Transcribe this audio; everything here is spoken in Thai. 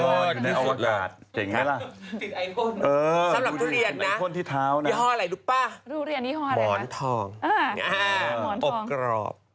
เออเลิฟครับนี่สุดเลยสำหรับทุเรียนนะยี่ห้ออะไรรู้ป่ะหมอนทองอร่อยครับโกรฟ